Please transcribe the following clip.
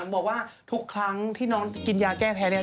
บอกว่าทุกครั้งที่น้องกินยาแก้แพ้เนี่ย